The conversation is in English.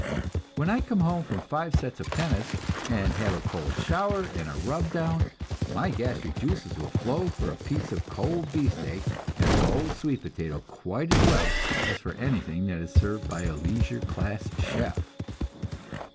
When I come home from five sets of tennis, and have a cold shower and a rub down, my gastric juices will flow for a piece of cold beefsteak and a cold sweet potato, quite as well as for anything that is served by a leisure class "chef."